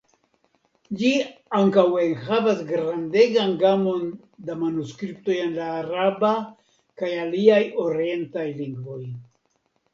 Ĝi ankaŭ enhavas grandegan gamon da manuskriptoj en la araba kaj aliaj orientaj lingvoj.